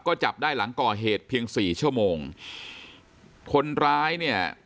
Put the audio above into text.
ก็จับได้หลังก่อเหตุเพียงสี่ชั่วโมงคนร้ายเนี่ย